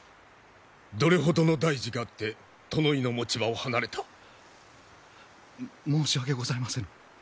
どれほどの大事があって宿直の持ち場を離れた？も申し訳ございませぬ。